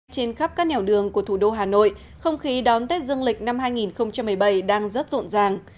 trên khắp các nẻo đường của thủ đô hà nội không khí đón tết dương lịch năm hai nghìn một mươi bảy đang rất rộn ràng